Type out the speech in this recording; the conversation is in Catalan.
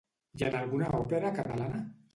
I en alguna òpera catalana?